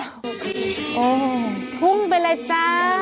โอ้โหพุ่งไปเลยจ้า